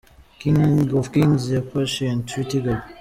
King of kings ya Patient ft Gabby.